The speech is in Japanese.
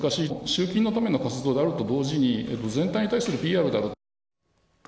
集金のための活動であると同時に、全体に対してのＰＲである。